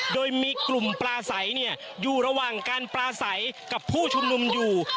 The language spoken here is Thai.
โดยมีกลุ่มปลาใสอยู่ระหว่างการปลาใสกับผู้ชุมนุมอยู่